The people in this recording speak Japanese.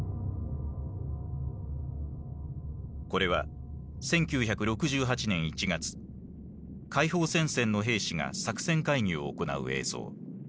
これは１９６８年１月解放戦線の兵士が作戦会議を行う映像。